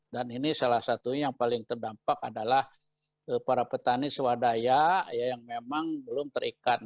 dan ini salah satu yang paling terdampak adalah para petani swadaya yang memang belum terikat